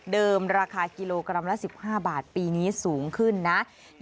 ราคากิโลกรัมละ๑๕บาทปีนี้สูงขึ้นนะ